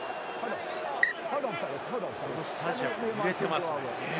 このスタジアムが揺れていますね。